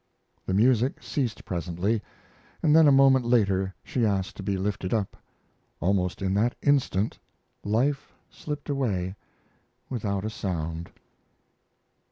The music ceased presently, and then a moment later she asked to be lifted up. Almost in that instant life slipped away without a sound.